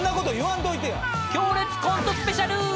［強烈コントスペシャル］